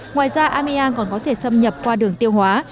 ngoài ra amia còn có thể xâm nhập qua đường tiêu hóa